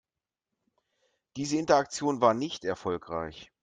Diese Interaktion war nicht erfolgreich.